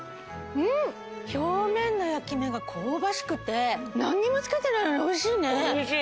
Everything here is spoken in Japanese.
うん表面の焼き目がこうばしくて何にもつけてないのにおいしいねおいしい